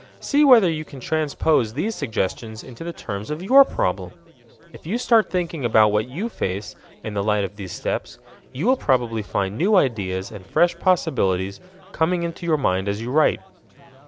See whether you can transpose these suggestions into the terms of your problem. If you start thinking about what you face, in the light of these steps, you will probably find new ideas and fresh possibilities coming into your mind as you write.